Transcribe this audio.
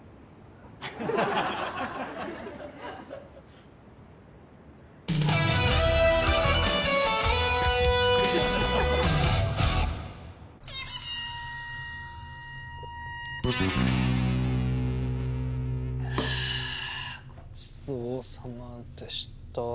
ああごちそうさまでした。